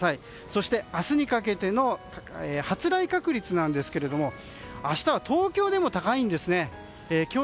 そして、明日にかけての発雷確率ですが明日は東京でも高いんですね。